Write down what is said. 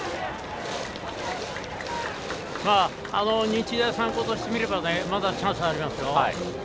日大三高としてみればまだチャンスはありますよ。